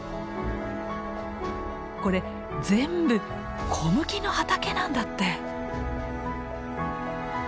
これ全部小麦の畑なんだって！